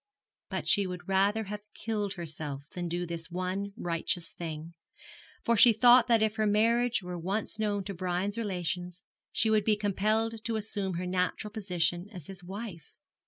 But she would rather have killed herself than do this one righteous thing; for she thought that if her marriage were once known to Brian's relations she would be compelled to assume her natural position as his wife.